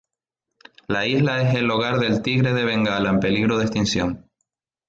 La isla es el hogar del tigre de Bengala en peligro de extinción.